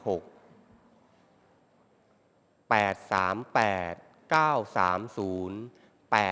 ออกรางวัลที่๔ครั้งที่๑๕